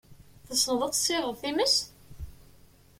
Tessneḍ ad tessiɣeḍ times?